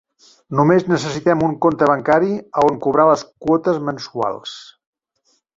Només necessitem un compte bancari a on cobrar les quotes mensuals.